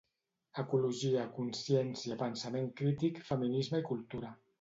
Ecologia, consciència, pensament crític, feminisme i cultura.